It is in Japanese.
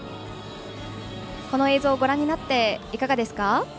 この映像、ご覧になっていかがですか？